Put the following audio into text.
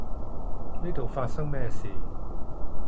呢度發生咩事？